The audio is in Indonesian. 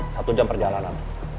satu jam perjalanan